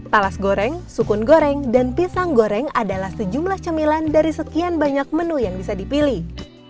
talas goreng sukun goreng dan pisang goreng adalah sejumlah cemilan dari sekian banyak menu yang bisa dipilih